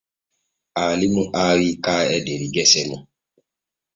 Aalimu aawi kahe der gese mun.